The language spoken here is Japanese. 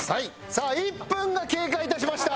さあ１分が経過いたしました。